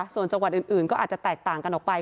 ส่วนจังหวัดอื่นก็อาจจะแตกต่างกันออกไป